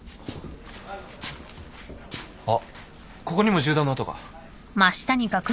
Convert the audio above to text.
あっここにも銃弾の跡が。